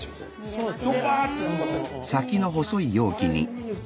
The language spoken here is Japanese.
そうです。